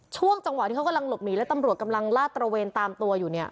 ช่วงจังหวะที่เขากำลังหลบหนีและตำรวจกำลังลาดตระเวนตามตัวอยู่เนี่ย